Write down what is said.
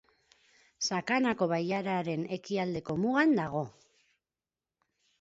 Sakanako bailararen ekialdeko mugan dago.